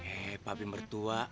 eh papi mertua